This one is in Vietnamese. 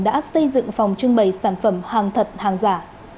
đã xây dựng phòng trưng bày sản phẩm hàng thật hàng giả